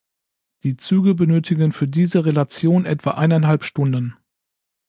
Die Züge benötigten für diese Relation etwa eineinhalb Stunden.